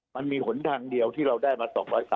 มันมีหนทางเดียวที่เราได้มา๒๘๐